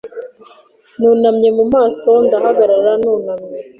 Nunamye mu maso ndahagarara nunamye